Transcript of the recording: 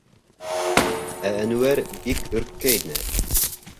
Ә Әнүәр бик өрккәйне.